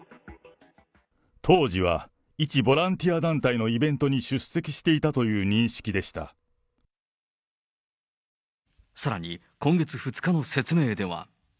当時は一ボランティア団体のイベントに出席していたという認さらに、今月２日の説明では。